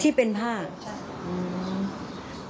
ที่เป็นผ้าใช่อืม